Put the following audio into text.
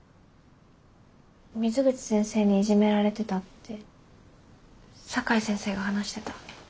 水口先生にイジメられてたって酒井先生が話してた。